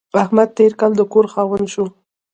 احمد تېر کال د کور خاوند شو.